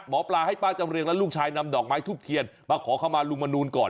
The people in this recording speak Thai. หมอปลาให้ป้าจำเรียงและลูกชายนำดอกไม้ทูบเทียนมาขอเข้ามาลุงมนูลก่อน